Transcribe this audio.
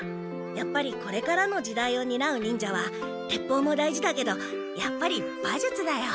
やっぱりこれからの時代をになう忍者は鉄砲も大事だけどやっぱり馬術だよ。